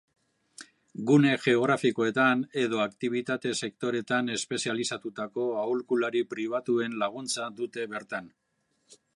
Gune geografikoetan edo aktibitate sektoretan espezializatutako aholkulari pribatuen laguntza dute bertan.